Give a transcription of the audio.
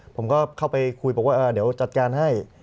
ผมก็เข้าไปคุยบอกว่าเดี๋ยวจัดการให้